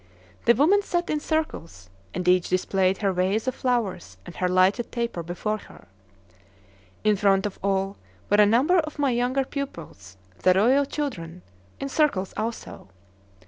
The women sat in circles, and each displayed her vase of flowers and her lighted taper before her. In front of all were a number of my younger pupils, the royal children, in circles also.